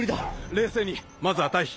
冷静にまずは退避。